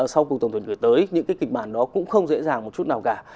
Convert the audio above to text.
sau cuộc tổng tuyển tới những cái kịch bản đó cũng không dễ dàng một chút nào cả